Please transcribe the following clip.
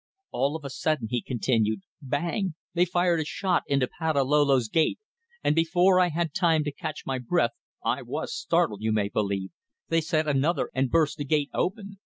"All of a sudden," he continued "bang! They fired a shot into Patalolo's gate, and before I had time to catch my breath I was startled, you may believe they sent another and burst the gate open.